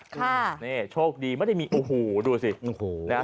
ค่ะนี่โชคดีไม่ได้มีโอ้โหดูสิโอ้โหนะฮะ